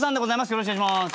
よろしくお願いします。